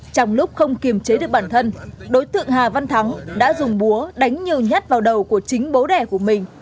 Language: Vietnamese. trong lúc không kiềm chế được bản thân đối tượng hà văn thắng đã dùng búa đánh nhiều nhất vào đầu của chính bố đẻ của mình